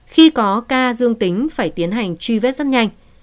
khi có ca dương tính phải tiến hành truy vết rất nhanh